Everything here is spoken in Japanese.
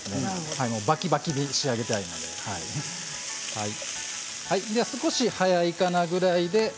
バキバキに仕上げたいので少し早いかなぐらいで。